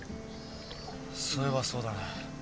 そういえばそうだね。